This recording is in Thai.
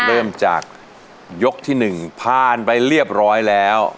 เริ่มจากยกที่๑ผ่านไปเรียบร้อยแล้ว